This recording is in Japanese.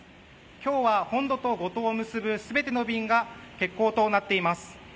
今日は本土と五島を結ぶ全ての便が欠航となっています。